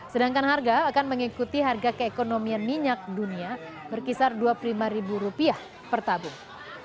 sedangkan harga akan mengikuti harga keekonomian minyak dunia berkisar rp dua puluh lima per tabung